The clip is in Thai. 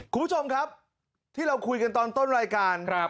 คุณผู้ชมครับที่เราคุยกันตอนต้นรายการ